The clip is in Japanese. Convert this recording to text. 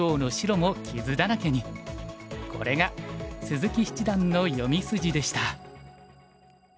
これが鈴木七段の読み筋でした。